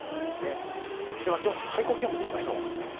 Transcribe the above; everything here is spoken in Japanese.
では、今日の最高気温見ていきましょう。